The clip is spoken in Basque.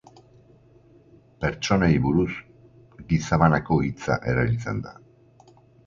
Pertsonei buruz, gizabanako hitza erabiltzen da.